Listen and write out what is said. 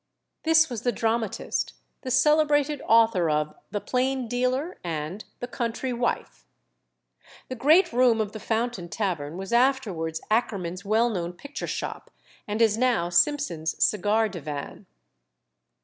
This was the dramatist, the celebrated author of The Plain Dealer and The Country Wife. The great room of the Fountain Tavern was afterwards Akermann's well known picture shop; and is now Simpson's cigar divan.